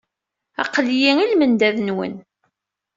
Aql-iyi i lmendad-nwen.